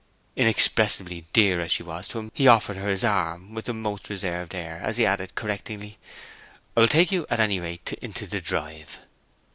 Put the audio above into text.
Inexpressibly dear as she was to him, he offered her his arm with the most reserved air, as he added, correctingly, "I will take you, at any rate, into the drive."